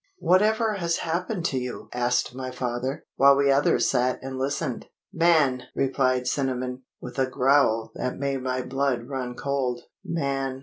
'Whatever has happened to you?' asked my father, while we others sat and listened. 'Man!' replied Cinnamon, with a growl that made my blood run cold. Man!